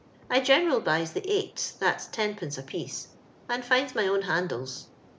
I general buys the eights, that's lOd, a piece, and finds my own handles.